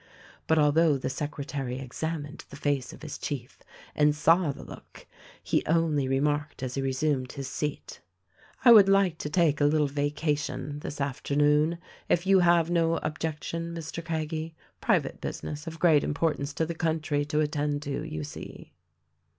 But, although the secretary examined the face of his chief and saw the look, he only remarked as he resumed his seat, "I would like to take a little vacation this afternoon, if you have no objection, Mr. Craggie. Private business of great importance to the country to attend ,to, you see."